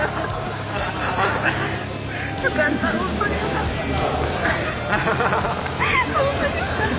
よかったホントによかった。